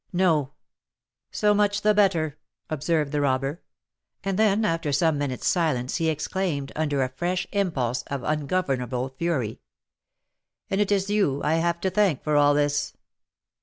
"No." "So much the better," observed the robber. And then, after some minutes' silence, he exclaimed, under a fresh impulse of ungovernable fury, "And it is you I have to thank for all this!